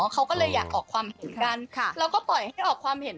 เขาก็เลยอยากออกความเห็นกันแล้วก็ปล่อยให้ออกความเห็น